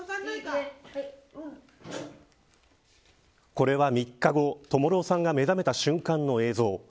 これは３日後和朗さんが目覚めた瞬間の映像。